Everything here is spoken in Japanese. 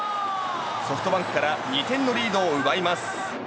ソフトバンクから２点のリードを奪います。